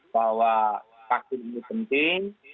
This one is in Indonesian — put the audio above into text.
bahwa vaksin ini penting